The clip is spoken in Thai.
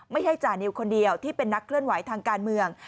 จานิวคนเดียวที่เป็นนักเคลื่อนไหวทางการเมือง